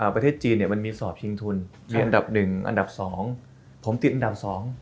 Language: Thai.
ประเทศจีนมันมีสอบชิงทุนมีอันดับหนึ่งอันดับ๒ผมติดอันดับ๒